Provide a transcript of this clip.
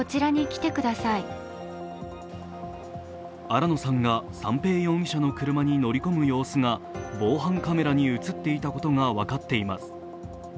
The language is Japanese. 新野さんが三瓶容疑者の車に乗り込む様子が防犯カメラに映っていたことが分かっています。